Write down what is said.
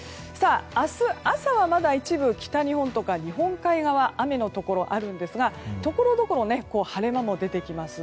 明日朝はまだ一部、北日本とか日本海側雨のところがあるんですがところどころ晴れ間も出てきます。